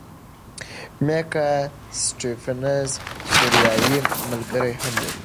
میکا سټیفنز سوریایي ملګری هم لري.